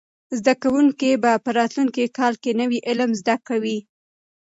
زده کوونکي به په راتلونکي کال کې نوي علوم زده کوي.